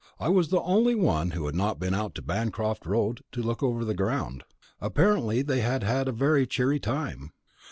I was the only one who had not been out to Bancroft Road to look over the ground. Apparently they had had a very cheery time.